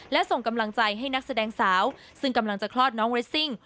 และส่งกำลังใจให้นักแสดงสาวซึ่งกำลังจะคลอดน้องเรสซิ่ง